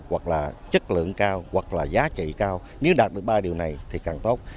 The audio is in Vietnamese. hoặc là chất lượng cao hoặc là giá trị cao nếu đạt được ba điều này thì càng tốt